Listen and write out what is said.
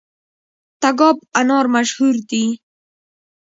تګاب انار مشهور دي؟